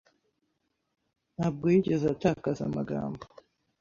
Ntabwo yigeze atakaza amagambo.